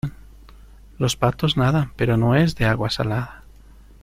los patos nadan. pero no es de agua salada